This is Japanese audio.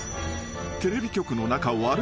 ［テレビ局の中を］